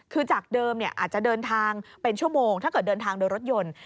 คือจากเดิมอาจจะเดินทางเป็นชั่วโมงถ้าเกิดเดินทางโดยรถยนต์